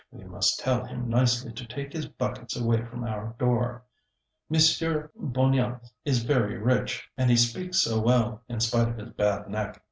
(We must tell him nicely to take his buckets away from our door.) Monsieur Bonéas is very rich, and he speaks so well, in spite of his bad neck.